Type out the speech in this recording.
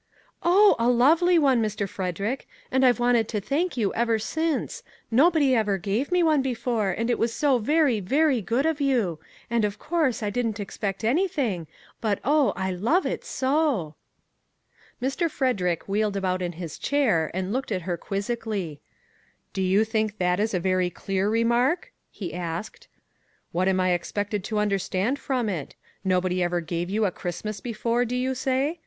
" Oh ! a lovely one, Mr. Frederick ; and I've wanted to thank you ever since; nobody ever gave me one before, and it was so very, very good of you; and, of course, I didn't expect anything, but, oh, I love it so !" Mr. Frederick wheeled about in his chair and looked at her quizzically. " Do you think that is a very clear remark? " he asked. " What am I expected to understand from it? Nobody ever gave you a Christmas before, do you say?